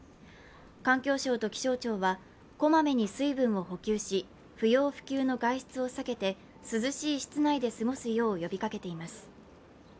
環境省と気象庁は、こまめに水分を補給し不要不急の外出を避けて涼しい室内で過ごすよう呼びかけています。